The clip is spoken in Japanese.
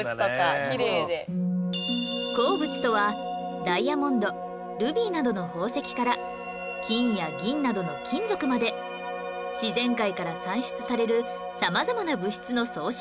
鉱物とはダイヤモンドルビーなどの宝石から金や銀などの金属まで自然界から産出される様々な物質の総称